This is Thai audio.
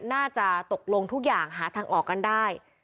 น่าจะตกลงทุกอย่างหาทางออกกันได้